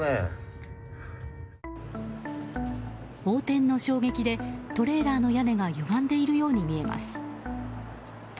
横転の衝撃でトレーラーの屋根がゆがんでいるように見えます。